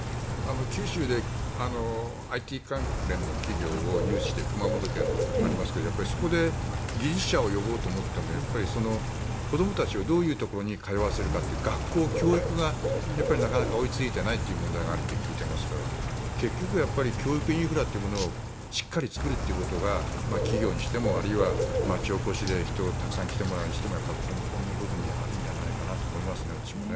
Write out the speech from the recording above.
九州でＩＴ関連の企業を誘致している熊本県がありますがそこで技術者を呼ぼうと思っても子どもたちをどういうところに通わせるかって学校、教育がなかなか追いついていない問題があると聞いていますから結局は教育インフラというものをしっかり作ることが企業にしてもあるいは町おこしで人をたくさん来てもらうにしても根本にあるような気がしますね。